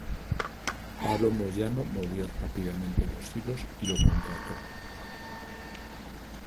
Pablo Moyano movió rápidamente los hilos y lo contrató.